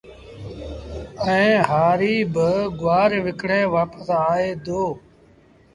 ائيٚݩ هآريٚ با گُوآر وڪڻي وآپس آئي دو